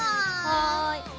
はい。